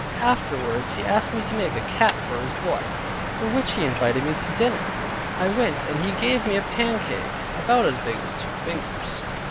Afterwards he asked me to make a cap for his boy, for which he invited me to dinner. I went, and he gave me a pancake, about as big as two fingers.